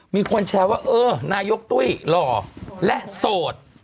มีคนแชร์ว่าเออนายกตุ้ยหล่อและโสด